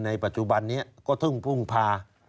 ในปัจจุบันนี้ก็เพิ่งพุ่งพา